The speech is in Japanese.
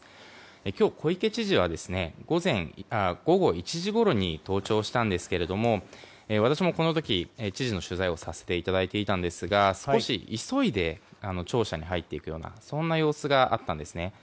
今日、小池知事は午後１時ごろに登庁したんですが私もこの時知事の取材をさせていただいていたんですが急いで庁舎に入っていく様子があったんですね。